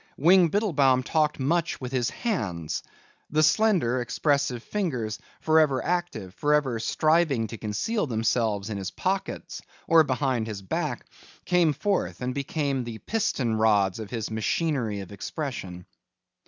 Wing Biddlebaum talked much with his hands. The slender expressive fingers, forever active, forever striving to conceal themselves in his pockets or behind his back, came forth and became the piston rods of his machinery of expression.